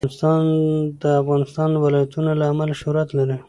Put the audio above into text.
افغانستان د د افغانستان ولايتونه له امله شهرت لري.